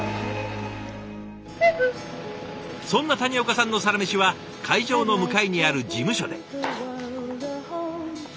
そんな谷岡さんのサラメシは会場の向かいにある事務所で。